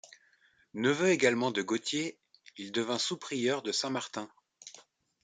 Neveu également de Gautier, il devint sous-prieur de Saint-Martin.